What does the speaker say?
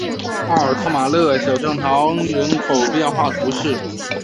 奥尔特马勒小教堂人口变化图示